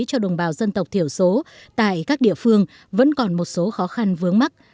cho đồng bào dân tộc thiểu số tại các địa phương vẫn còn một số khó khăn vướng mắt